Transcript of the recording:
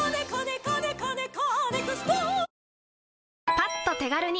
パッと手軽に！